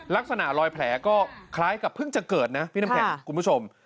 ลักษณะรอยแผลก็คล้ายกับเพิ่งจะเกิดนะพี่น้ำแข็งคุณผู้ชม